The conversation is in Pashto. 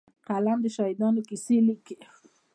قلم د شهیدانو کیسې لیکي